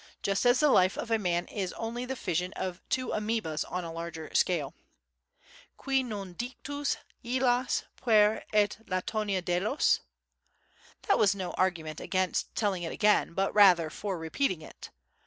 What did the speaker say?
Just as the life of a man is only the fission of two amœbas on a larger scale. Cui non dictus Hylas puer et Latonia Delos? That was no argument against telling it again, but rather for repeating it.